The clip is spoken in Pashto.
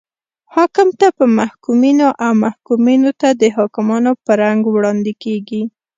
حاکم ته په محکومینو او محکومینو ته د حاکمانو په رنګ وړاندې کیږي.